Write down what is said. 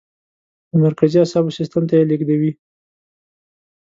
د مرکزي اعصابو سیستم ته یې لیږدوي.